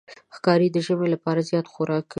ښکاري د ژمي لپاره زیات خوراک کوي.